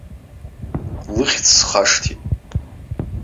Лыхьӡ схашҭит.